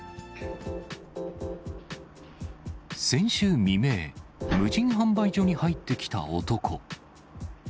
先週未明、無人販売所に入ってきた男。